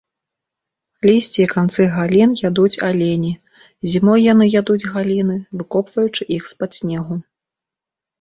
Лісце і канцы галін ядуць алені, зімой яны ядуць галіны выкопваючы іх з-пад снегу.